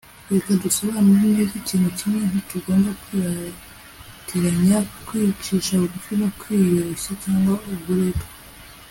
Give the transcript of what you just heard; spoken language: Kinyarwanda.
reka dusobanure neza ikintu kimwe ntitugomba kwitiranya kwicisha bugufi no kwiyoroshya cyangwa uburetwa